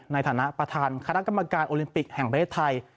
ในฐานะประธานคณะกรรมการโอลิมปิกแห่งประเทศไทย